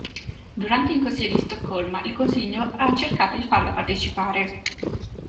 Durante il Consiglio di Stoccolma, il Consiglio ha cercato di farla partecipare.